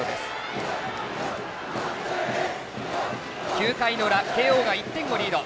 ９回の裏、慶応が１点リード。